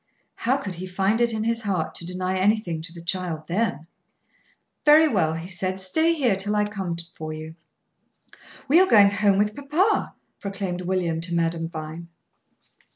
How could he find it in his heart to deny anything to the child then? "Very well," he said. "Stay here till I come for you." "We are going home with papa," proclaimed William to Madame Vine.